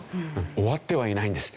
終わってはいないんです。